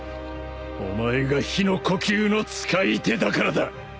お前が日の呼吸の使い手だからだ。